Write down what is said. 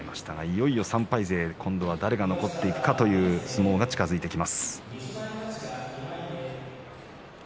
いよいよ３敗勢誰か残っていくかという相撲が近づいてきました。